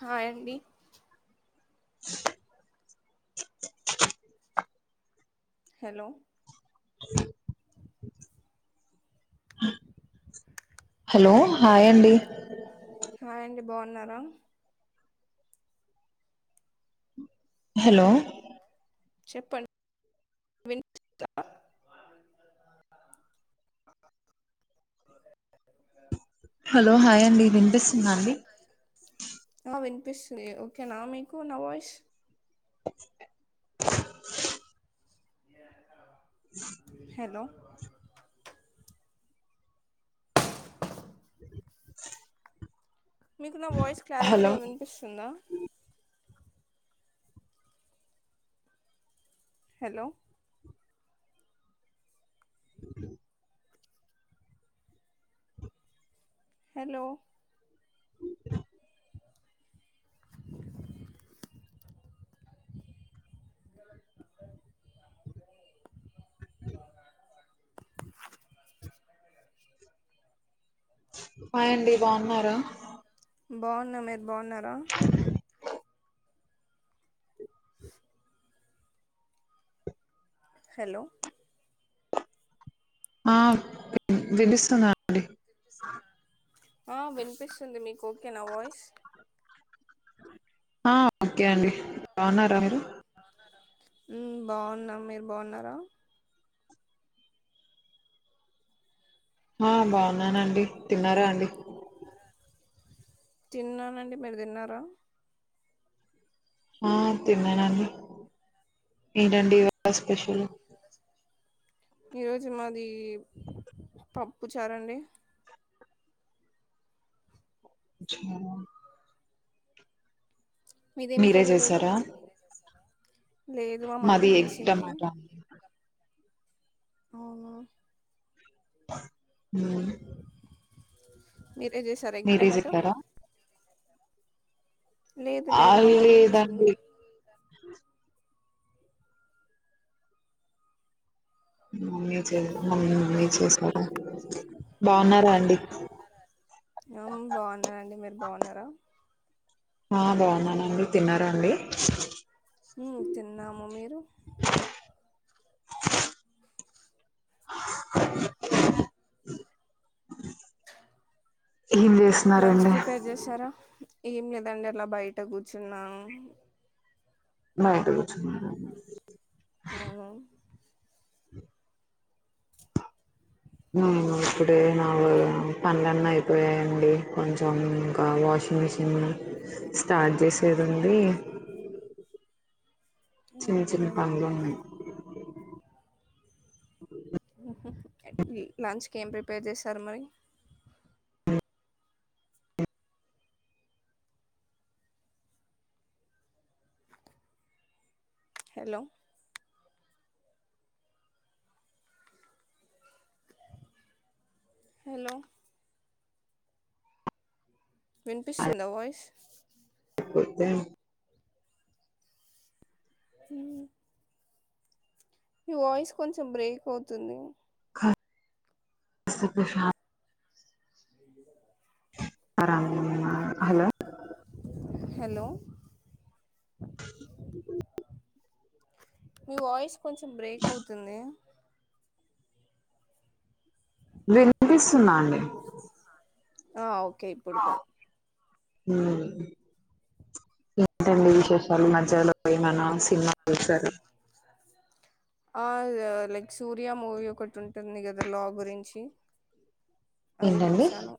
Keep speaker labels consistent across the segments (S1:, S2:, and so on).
S1: Hi అండి hello
S2: [inaudible] hello hi అండి
S1: hi అండి బాగున్నారా
S2: హలో
S1: చెప్పం వినిపిస్ దా
S2: హలో హాయ్ అండి వినిపిస్తుందా అండి
S1: పిస్తుంది ఓకేనా మీకు నా వాయిస్ ఏ [unintelligible] హలో మీకు నా వాయిస్
S2: హలో
S1: క్లారిటీగా వినిపిస్తుందా హలో హలో
S2: హాయి అండి బాగున్నారా
S1: బాగున్న మీరు బాగున్నారా హలో
S2: ఆ విభిస్తున్నా
S1: ఆ వినిపిస్తుంది మీకు ఓకే నా వాయిస్
S2: ఆ ఓకే అండి బావున్నారా మీరు
S1: ఉమ్ బాగున్న మీరు బాగున్నారా
S2: ఆ బాగున్నానండి తిన్నారా అండి
S1: తిన్నానండి మీరు తిన్నారా
S2: ఆ తిన్నానండి ఏంటండి. స్పెషల్
S1: ఈరోజు మాది పప్పు చారంండి
S2: జీ
S1: మీదేం
S2: మీరే
S1: కర్రీ ఈరోజు
S2: చేసారా
S1: లేదు మా మమ్మీ
S2: మాది ఎడంం
S1: చేసింది అనా
S2: హ
S1: మీరేం చేశారా ఎం టమాటో
S2: చెప్పారా
S1: లేదు లేదు మా మమ్మీ చేసింది
S2: అ మమ్మీ చే మమ్మీ మమ్మీ చేసారు
S1: బాగున్నండి మీరు బాగున్నారా
S2: ఆ బాగున్నానండి తిన్నండి
S1: తిన్నాము మీరు
S2: [inaudible] [inaudible]
S1: లంచ్
S2: చేస్తున్నారండి
S1: ప్రిపేర్ చేశారా ఏం లేదండి అలా బయట కూర్చున్నా
S2: నా ఇతే పచ్చు
S1: అవును
S2: ఇప్పుడే నా పనులన్న అయిపోయాయండి కొంచెం ఇంకా వాషింగ్ మిషిన్ స్టార్ట్ చేసేదిడి చిన్న చిన్న
S1: ఓకే
S2: బంగ్లో ఉన్నా అ
S1: లంచ్కి ఏం ప్రిపేర్ చేస్తారు మరి హలో హలో విన్పిస్ంద వయిస్
S2: పోతేం
S1: ఈ [inaudible] ఈ వాయిస్ కొంచెం బ్రేక్ అవుతుంది
S2: స్త ప్రశా
S1: అ [inaudible]
S2: అ హలో
S1: హలో మీ వయిస్ కొంచెం బ్రేక్ అవుతుంది
S2: వినిపిస్తున్నాండి
S1: ఆ ఓక కే పడుకోన్
S2: ఆమ్ ఏంటండీ విశేషాలు ఈ మధ్యలో ఏమైనా సినిమాలు చూసారా
S1: ఆ లైక్ సూర్య మూవీ ఒకటి ఉంటుంది కదా లా గురించి అది
S2: ఏంటండి
S1: చూశాను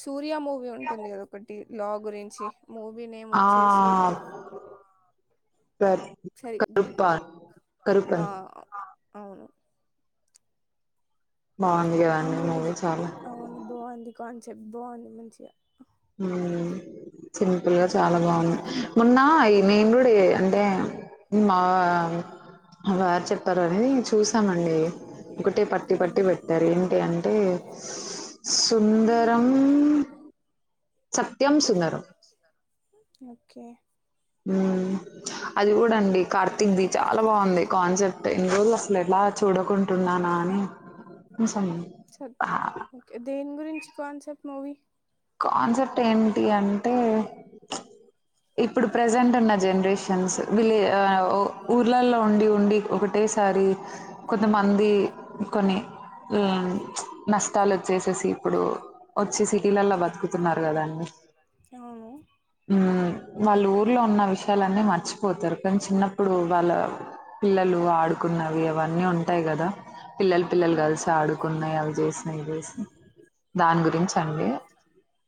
S1: సూర్ ర్య మూవీ ఉంటుంది కద ఒకటి లా గురించి మూవీ నేమ్
S2: ఆ
S1: వచ్చేసి చై
S2: కరుప్ప
S1: ఆ
S2: కరుపన్
S1: అవును
S2: బాగుంది
S1: ఆ
S2: కదండి
S1: మూవి
S2: మూవీ చాలా
S1: అవును బాగుంది కాన్ చె బావుంది మంచిగా
S2: హుమ్మ్ చిన్నపిల్ల చ్ చాలా బావుంది మొన్న ఐ నేను గూడా చేయ అంటే మా వారు చెప్పారని చూసానండి ఒకటే పట్టి పట్టి
S1: అవును
S2: పెట్టారు ఏంటి అంటే సుందరం సత్యం సుందరం
S1: ఓకే
S2: ఆమ్ అది కూడా అం డి కార్తిగ్ది చాలా బాగుంది కాన్సెప్ట్ ఇన్నిరోలు అసలు ఎలా చూడకుంటున్నానా అని ని సమ
S1: స ఓకే దేని గురించి కన్సెప్ట్ మూవీ
S2: కాన్సెప్ట్ ఏంటి అంటే మ్చ్ ఇప్పుడు ప్రెజెంట్ ఉన్న జనరేషన్స్ విలే ఆ ఉ ఊర్లల్లో ఉండి ఉండి ఒకటేసారి కొంతమంది కొన్ని ఆమ్ మ్చ్ నష్ తాలు వచ్చేసేసి ఇప్పుడు వచ్చి సిటీల్లల్లో బతుక్ చతున్నారు కదా
S1: అవును
S2: అీ వాళ్ళు ఊర్లో ఉన్న విషయలన్నీ మర్చిపోతారు కానీ చిన్నప్పుడు వాళ్ళ పిల్లలు ఆడుకున్నవి అవన్నీ ఉంటాయి గదా పిల్లలు పిల్లలు
S1: అవును
S2: కలిసి ఆడుకున్నాయ్ అవి చేసినా ఇవి చేసినాయి దాని గురించి అండి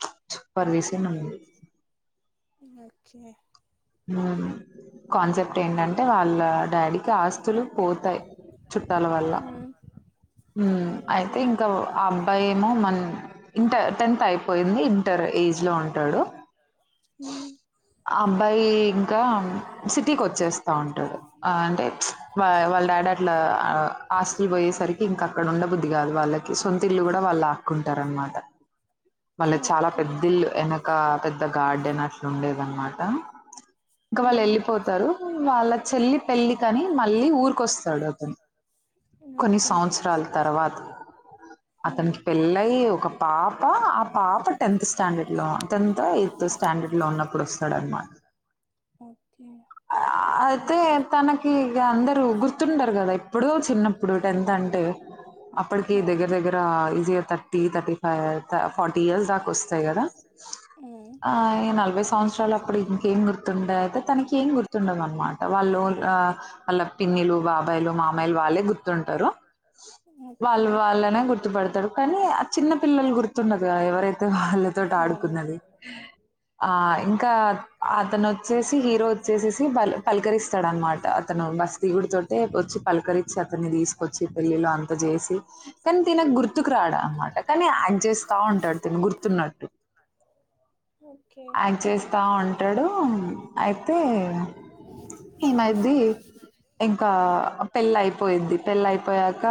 S2: మ్చ్ చప్పర్వసే నండి
S1: ఓకే
S2: అమ్ కాన్సెప్ట్ ఏంటంటే వాళ్ళ డాడీకి ఆస్తులు పోతాయ్ చుట్టాల వల్ల
S1: మ్మ్.
S2: ఆమ్ అయితే
S1: ఓకే
S2: ఇంకా ఆ అబ్బాయి ఏమో మన్ ఇంటర్ టెన్త్ అయిపోయింది ఇంటర్ ఏజ్ లో ఉం ంటాడు
S1: మ్మ్.
S2: అబ్ అయి ఇంకా సిటీకి వచ్చేస్తా ఉంటడు అంటే మ్చ్ వా వాళ్ళ డాడీ అట్లా ఆస్తులు పోయేసరికి ఇంకా అక్కడ ఉండ బుద్ధి గాదు వాళ్ళకి సొంత ఇల్లు గూడా వాళ్ళాక్కుంటారు అనమాట వాళ్ళ చాలా
S1: ఓకే
S2: పెద్దిల్లు ఎన ఒకా పెద్ద గార్డెన్ అట్లుండేది అనమాట ఇంకా వాళ్ళు
S1: మ్మ్.
S2: ఎళ్ళిపోతారు వాళ్ళ చెల్లి పెళ్లికని మళ్ళీ ఊరికొస్తాడు అతను కొన్ని
S1: ఓకే
S2: సంవత్సరాల తర్వాత
S1: హ్మ్
S2: అతనికి పెళ్ళైయి ఒక పాప ఆ పాప టెన్త్ స్టాండర్డ్ లో టెన్త్ ఎయిత్ స్టాండర్డ్ లో ఉన్నప్పుడు వస్తాడు ఆడు
S1: ఓకే
S2: అ
S1: [inaudible]
S2: తనకి అంద గుర్తుంటారు కదా. ఎప్పుడో చిన్నప్పుడు టెన్త్ అంటే అప్పటికి
S1: అవును
S2: దగ్గర దగ్గర ఈజీగా thirty thirty five forty years దాకా వస్తాయి కదా.
S1: హ్మ్
S2: ఈ నలభై సంవత్సరాలు అప్పుడు తొండ అతే తనకి ఏం గుర్తుండదు అనమాట వాళ్ళు వాళ్ళ పిన్నిలు బాబాయిలు మామాయిలు వాళ్ళే గుర్తుంటారు.
S1: ఓకే
S2: వాళ్ళు వాళ్ళనే గుర్తుపడతారు కానీ ఆ చిన్న పిల్లలు గుర్తుండదు. ఎవరైతే వాళ్ళతోటి
S1: అవును
S2: ఆడుకున్నది ఆ ఇంకా వచ్చే హీరో వచ్చేసేసి పలకరిస్తాడు అనమాట. అతను బస్ దగుడి త వచ్చి పలకరించి అతన్ని తీసుకొచ్చి పెళ్ళిలో అంత చేసి కాని తినకు గుర్తుకు రాడా అనమాట కానీ యాక్ట్ చేస్తా ఉంటాడు. తను గుర్తున్నట్టు
S1: ఓకే
S2: యాక్ట్ చేస్తా ఉ అడు అయితే ఏమైది ఇంకా పెళ్ళ అయిపోయిద్ది. పెళ్ళ అయిపోయాక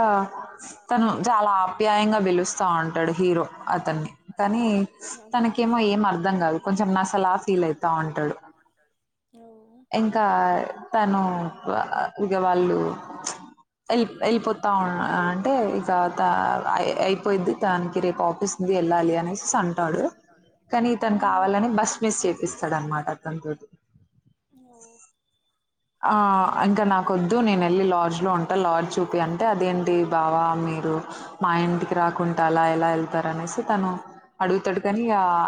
S2: తను చాలా ఆప్యాయంగా పలుస్తా ఉంటాడు. హీరో అతన్ని కానీ
S1: ఓకే
S2: తనకేమో ఏం అర్థం కాదు కొంచెం నాసలా ఫీల్ అవుతుంది. తా అంటాడు
S1: ఓ
S2: ఇంకా తను ఇక వాళ్ళు వెళ్ళిపోతా అంటే ఇక త అయిపోయిద్ది. తననికి రేపు ఆఫస్ంది వెళ్ళాలి అనేసిసి అంటాడు కానీ తను
S1: హ్మ్
S2: కావాలని బస్ మిస్ చేపిస్తాడు. అనమాట అతని తో ఆ ఇంకా నాకొద్దు నేన వెళ్ళి లార్డ్జ్ లో ఉంటా. లార్జ్ చూపి అంటే అదేంటి బావా మీరు మా ఇంటికి రాకుంటే అలా ఎలా వెళ్తారు. అనేసి తను అడుగుతాడు. కాని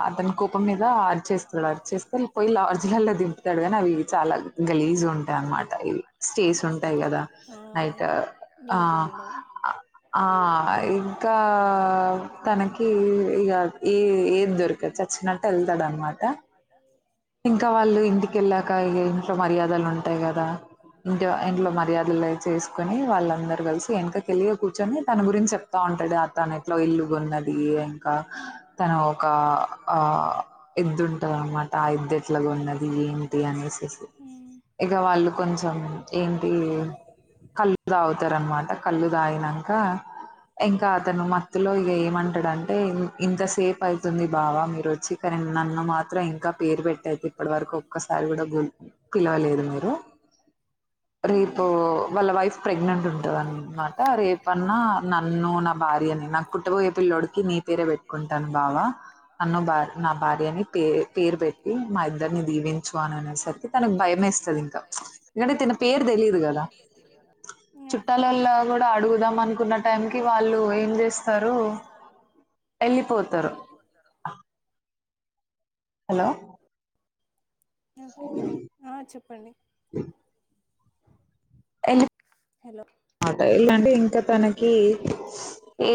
S2: అతని కోపం మీద అరిచ చేస్తాడు. అరి చేస్తే వెళ్ పోయి లార్జ్ ఇ ఎలా ద తంటాడుగా నవ చాలా గలీజ్ ఉంటాయి అనమాట స్టేస్
S1: ఓ
S2: ఉంటాయి కదా
S1: అవును
S2: నైట్ ఆ
S1: నీట్గా ఉండవు
S2: ఆ ఇకా తనకి ఇక ఏ ఏది దొరకచ్చ చచ్చినట్టు వెళ్తాడు అనమాట ఇంకా వాళ్ళు ఇంటికెళ్ళాక ఇ ఇంట్లో మర్యాదలు ఉంటాయి. కదా ఇంట్ ఇంట్లో
S1: అవును
S2: మర్యాదలు చేసుకుని వాళ్ళందరు కలిసి వెనకక వెళ్య కూర్చొని తన గురించి చెప్తా ఉంటాడు. ఆ తను ఎట్లో ఇల్లుగన్నది ఇంకా తను ఒక ఆ ఎద్దుంటది అన్నమాట తాగిద్దట్లాగా ఉన్నది ఏంటి అనేసి
S1: ఉమ్
S2: ఇక వాళ్ళు కొంచెం ఏంటి కళ్ళు తాగుతారునమాట కళ్ళు తాగినక ఇంకా. అతను మత్తులో ఇక ఏమంటాడంటే ఇంత సేపు అవుతుంది. బాబ మీరు వచ్చి కానీ నన్ను మాత్రం ఇంకా పేరువ ట్ అయి ఇప్పటి వరకు ఒక్కసారి కూడా పిలవలేదు. మీరు
S1: ఉమ్
S2: రేపు వాళ్ళ వైఫ్ ప్రెగ్నెంట్ ఉంటందినమాట రేపన్నా నన్ను నా భార్య అని నా కుటుంబం ఏ పిల్లోడికి నీ పేరే పెట్టుకుంటాను బాబ నన్ను భ నా భార్య అని పే పేరు పెట్ మా ఇద్దరిని దీవించు అని అనేసరికి తనకి భయ వేస్తుంది. ఇంకా ఎందుకంటే తన పేరు తెలియదు కదా
S1: ఓకే
S2: చుట్టాలలో కూడా అడుగుదాం అనుకున్న టైం కి వాళ్ళు ఏం చేస్తారు వెళ్ళిపోతారు హలో
S1: ఓకే చెప్పండి
S2: [unintelligible]
S1: హలో
S2: అట ఇలాంటే ఇంకా తనకి ఏ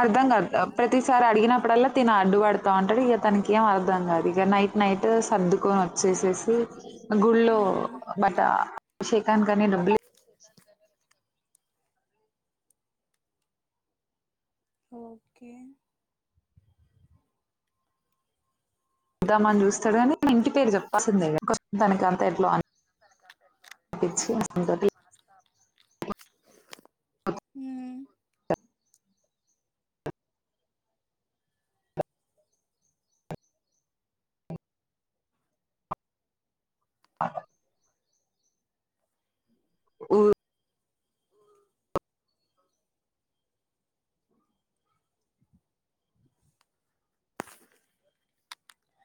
S2: అర్ధం కాదు ప్రతిసారి అడిగినప్పుడల్లా తను అడ్డుపడతాంటాడు. ఇక తనకి ఏం అర్ధం కాదు ఇక నైట్ నైట్ సర్దుకొని వచ్చేసేసి గుళ్ళ
S1: ఉమ్
S2: బట్ట అభిషేకానికని డబ్బులు
S1: [inaudible] ఒకే
S2: ద్దా మ చూస్త డు కాని ఇంటి పేరు చెప్పాల్సిందేం తనికి అంత ఎట్ అనిపించి అ
S1: హూ
S2: [inaudible] ఉ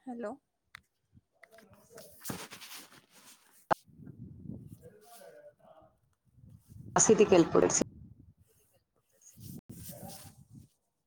S1: హలో
S2: అసదికి వెళ్ల్పడసి